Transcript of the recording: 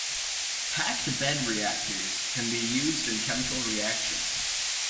"Packed bed reactors" can be used in chemical reaction.